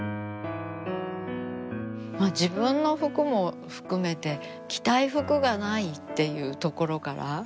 自分の服も含めて着たい服がないっていうところから。